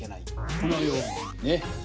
このようにね。